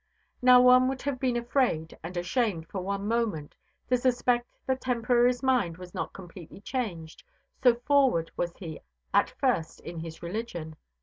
Now, one would have been afraid and ashamed for one moment to suspect that Temporary's mind was not completely changed, so "forward" was he at first in his religion.